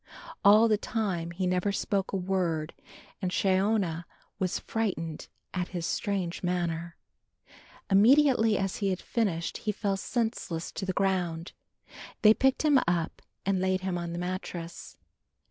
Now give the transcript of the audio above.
All the time he never spoke a word and Shiona was frightened at his strange manner. Immediately he had finished he fell senseless to the ground. They picked him up and laid him on the mattrass.